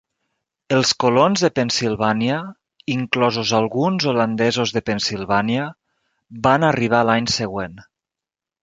Els colons de Pennsilvània, inclosos alguns holandesos de Pennsilvània, van arribar l'any següent.